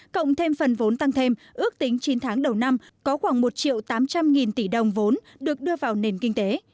cộng thêm phần vốn tăng thêm ước tính chín tháng đầu năm có khoảng một triệu tám trăm linh nghìn tỷ đồng vốn được đưa vào nền kinh tế